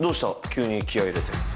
急に気合入れて。